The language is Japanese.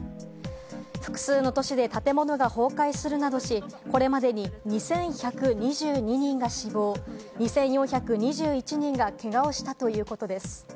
複数の都市で建物が倒壊するなどし、これまでに２１２２人が死亡、２４２１人がけがをしたということです。